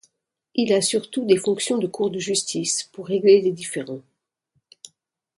Il a surtout des fonctions de cour de justice pour régler les différends.